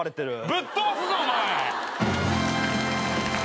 ぶっ飛ばすぞお前！